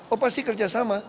oh pasti kerjasama